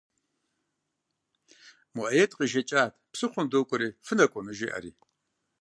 Муаед къежэкӏат «Псыхъуэм докӏуэри, фынэкӏуэну?» жери.